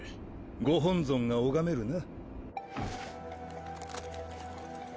ご本尊が拝めるな。